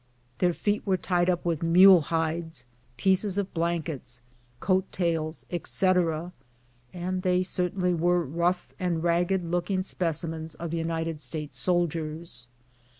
Their feet were tied up with mule hides, pieces of blankets, coat tails, etc., and they certainly were rough and ragged looking specimens of United States soldiers.